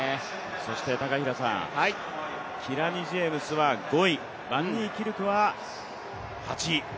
そしてキラニ・ジェームスは５位、バンニーキルクは８位。